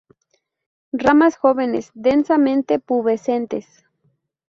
Ramas jóvenes densamente pubescentes.